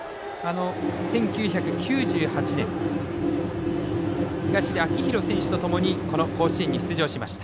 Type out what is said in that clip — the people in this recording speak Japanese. １９９８年東出輝裕選手とともにこの甲子園に出場しました。